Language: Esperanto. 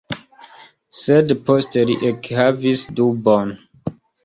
Sed poste li ekhavis dubon.